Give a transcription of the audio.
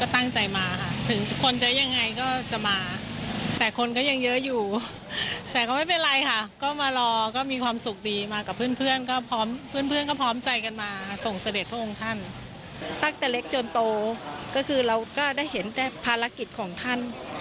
ตั้งแต่เล็กจนโตก็คือเราก็ได้เห็นแต่ภารกิจของท่าน